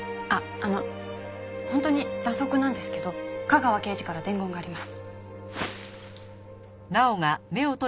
あの本当に蛇足なんですけど架川刑事から伝言があります。